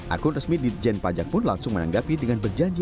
akun resmi dirjen pajak pun langsung menanggapi dengan berjanji